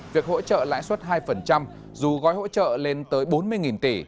việc hỗ trợ lãi suất hai dù gói hỗ trợ lên tới bốn mươi tỷ